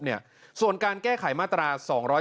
อย่างเกี่ยวส่วนการแก้ไขมาตรา๒๗๒